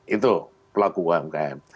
itu pelaku umkm